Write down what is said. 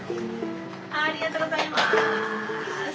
ありがとうございます！